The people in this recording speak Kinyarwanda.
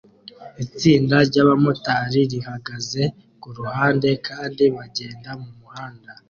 Itsinda ryabamotari rihagaze kuruhande kandi bagenda mumuhanda